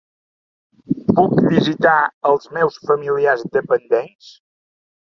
Puc visitar els meus familiars dependents?